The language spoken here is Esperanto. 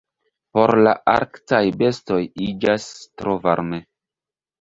Por la arktaj bestoj iĝas tro varme.